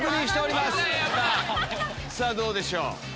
さぁどうでしょう？